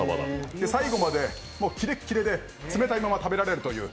最後までキレッキレで冷たいまま食べられるという。